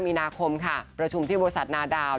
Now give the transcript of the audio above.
มีนาคมค่ะประชุมที่บริษัทนาดาว